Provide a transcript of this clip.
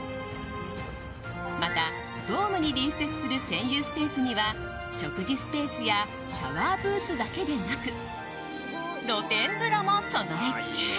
また、ドームに隣接する占有スペースには食事スペースやシャワーブースだけでなく露天風呂も備え付け。